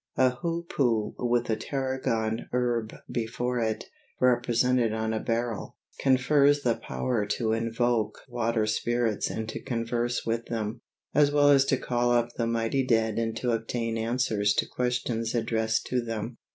A hoopoo with a tarragon herb before it, represented on a beryl, confers the power to invoke water spirits and to converse with them, as well as to call up the mighty dead and to obtain answers to questions addressed to them.